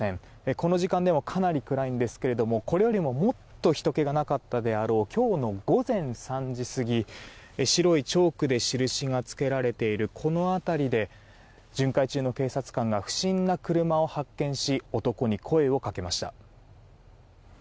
この時間でもかなり暗いんですけれどもこれよりももっとひとけがなかったであろう今日の午前３時過ぎ白いチョークで印がつけられているこの辺りで、巡回中の警察官が不審な車を発見し男に声をかけました。